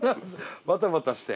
バタバタして。